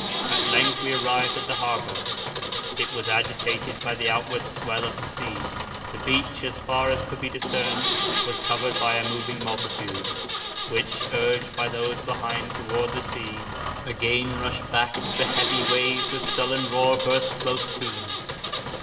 At length we arrived at the harbour; it was agitated by the outward swell of the sea; the beach, as far could be discerned, was covered by a moving multitude, which, urged by those behind toward the sea, again rushed back as the heavy waves with sullen roar burst close to them.